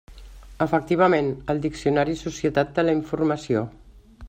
Efectivament, el diccionari Societat de la informació.